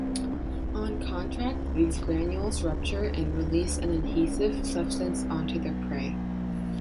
On contact, these granules rupture, and release an adhesive substance onto the prey.